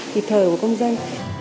kịp thời của công dân